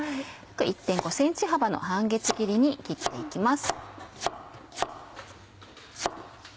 １．５ｃｍ幅の半月切りに切って行きます。